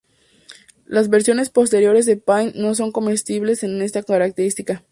Las versiones posteriores de Paint no son compatibles con esta característica.